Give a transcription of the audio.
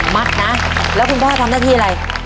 มัดนะแล้วคุณพ่อทำหน้าที่อะไร